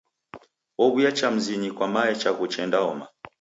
Ow'uya cha mzinyi kwa mae chaghu chendaoma.